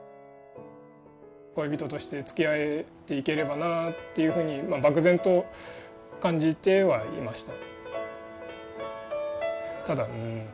恋人としてつきあえていければなっていうふうに漠然と感じてはいました。